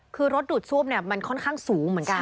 คือรถดูดซ่วมเนี่ยมันค่อนข้างสูงเหมือนกัน